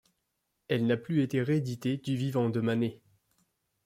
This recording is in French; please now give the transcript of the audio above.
Elle n'a plus été rééditée du vivant de Manet.